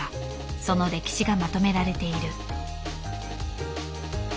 その歴史がまとめられている。